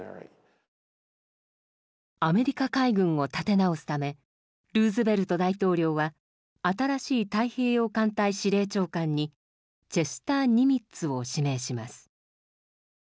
アメリカ海軍を立て直すためルーズベルト大統領は新しい太平洋艦隊司令長官にチェスター・ニミッツを指名します。